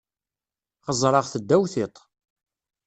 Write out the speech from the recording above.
Xeẓẓreɣ-t ddaw tiṭ.